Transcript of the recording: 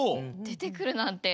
でてくるなんて。